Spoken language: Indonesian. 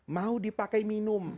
mau dipakai minum